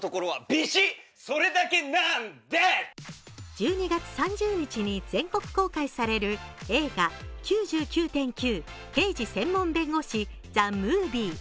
１２月３０日に全国公開される映画「９９．９−刑事専門弁護士−ＴＨＥＭＯＶＩＥ」。